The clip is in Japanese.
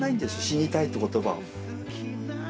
「死にたい」って言葉を。